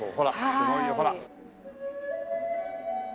すごいよほら。